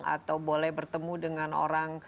atau boleh bertemu dengan orang